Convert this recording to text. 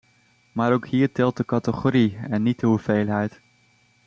Maar ook hier telt de categorie en niet de hoeveelheid.